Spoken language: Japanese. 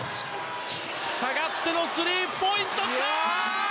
下がってのスリーポイント来た！